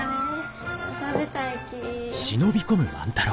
食べたいき。